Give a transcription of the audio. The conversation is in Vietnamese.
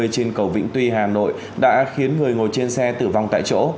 trên cầu vĩnh tuy hà nội đã khiến người ngồi trên xe tử vong tại chỗ